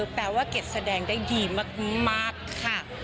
แปลว่าเก็ตแสดงได้ดีมากค่ะ